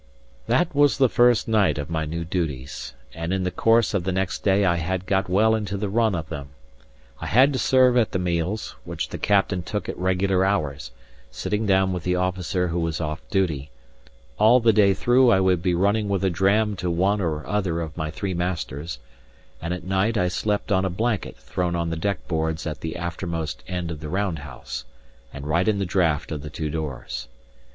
That was the first night of my new duties; and in the course of the next day I had got well into the run of them. I had to serve at the meals, which the captain took at regular hours, sitting down with the officer who was off duty; all the day through I would be running with a dram to one or other of my three masters; and at night I slept on a blanket thrown on the deck boards at the aftermost end of the round house, and right in the draught of the two doors.